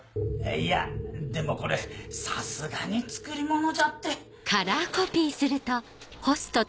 いやでもこれさすがに作り物じゃって。